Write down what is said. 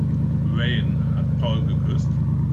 Rayen hat Paul geküsst.